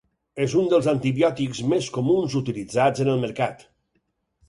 És un dels antibiòtics més comuns utilitzats en el mercat.